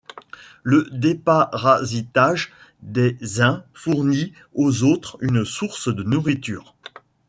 Le déparasitage des uns fournit aux autres une source de nourriture.